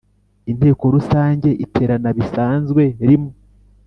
Inteko Rusange iterana bisanzwe rimwe